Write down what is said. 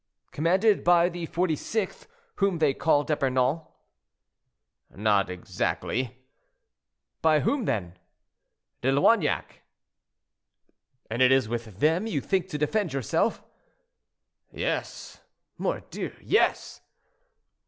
"Commanded by the 46th, whom they call D'Epernon." "Not exactly." "By whom, then?" "De Loignac." "And it is with them you think to defend yourself?" "Yes, mordieu! yes."